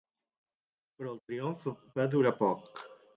Però el triomf va durar poc.